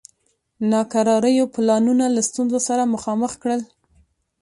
ناکراریو پلانونه له ستونزو سره مخامخ کړل.